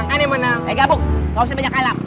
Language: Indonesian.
ini menang ini menang